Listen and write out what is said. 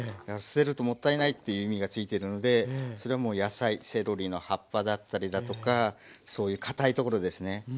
「捨てるともったいない」っていう意味がついてるのでそれはもう野菜セロリの葉っぱだったりだとかそういうかたいところですね